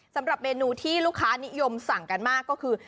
สำหรับเมนูที่ลูกค้านิยมสั่งกันมากก็คือ